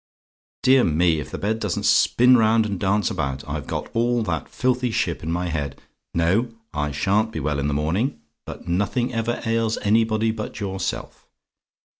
"Dear me! if the bed doesn't spin round and dance about! I've got all that filthy ship in my head! No: I sha'n't be well in the morning. But nothing ever ails anybody but yourself.